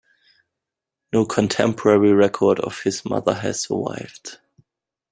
No contemporary record of his mother has survived.